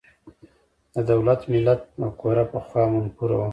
د دولت–ملت مفکوره پخوا منفوره وه.